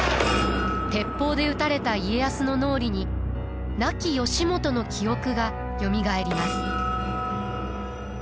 鉄砲で撃たれた家康の脳裏に亡き義元の記憶がよみがえります。